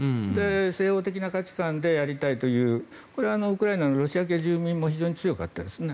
西欧的な価値観でやりたいというこれはウクライナのロシア系住民も非常に強かったです。